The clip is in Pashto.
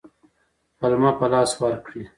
پلمه په لاس ورکړي.